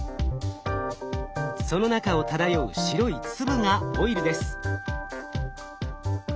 その中を漂う白い粒がオイルです。